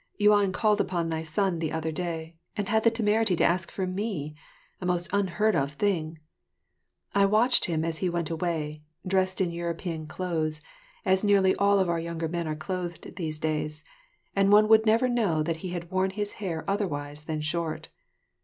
Yuan called upon thy son the other day, and had the temerity to ask for me a most unheard of thing. I watched him as he went away, dressed in European clothes, as nearly all of our younger men are clothed these days, and one would never know that he had worn his hair otherwise than short.